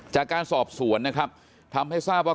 จากการสอบสวนนะครับทำให้ทราบว่า